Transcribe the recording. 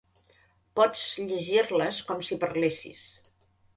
Pots llegir-les com si parlessis.